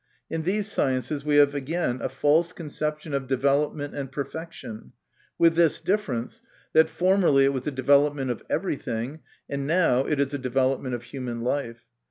In these sciences we have again a false conception of development and perfection, with this difference, that formerly it was a development of everything, and now it is a development of human life.